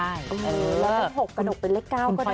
แล้วก็๖กระดกเป็นเล็ก๙ก็ได้